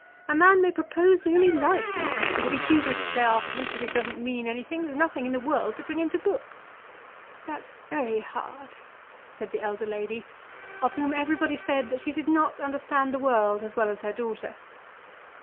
A man may propose to whom he likes, and if he chooses to say afterwards that it doesn't mean anything, there's nothing in the world to bring him to book." "That's very hard," said the elder lady, of whom everybody said that she did not understand the world as well as her daughter.